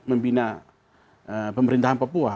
membina pemerintahan papua